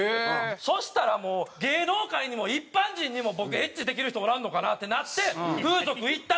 そしたらもう芸能界にも一般人にも僕エッチできる人おらんのかなってなって風俗行ったって。